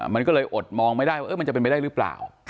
มันก็เลยอดมองไม่ได้ว่ามันจะเป็นไปได้หรือเปล่า